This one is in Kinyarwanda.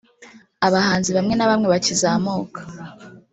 Abahanzi bamwe na bamwe bakizamuka